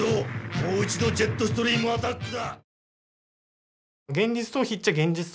もう一度ジェットストリームアタックだ！